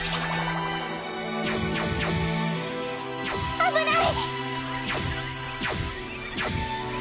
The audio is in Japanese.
危ない！